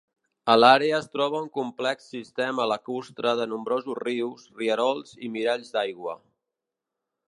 A l'àrea es troba un complex sistema lacustre de nombrosos rius, rierols i miralls d'aigua.